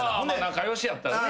仲良しやったんやね。